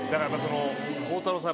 鋼太郎さん